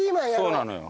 そうなのよ